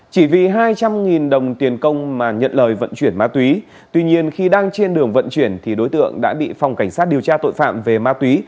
chỉ vì hai trăm linh đồng tiền công mà nhận lời vận chuyển ma túy tuy nhiên khi đang trên đường vận chuyển thì đối tượng đã bị phòng cảnh sát điều tra tội phạm về ma túy